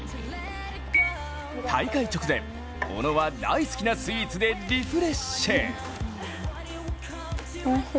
大会直前、小野は大好きなスイーツでリフレッシュ。